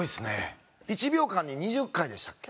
１秒間に２０回でしたっけ。